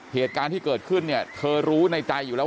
เหตุการณ์ที่เกิดขึ้นเนี่ยเธอรู้ในใจอยู่แล้ว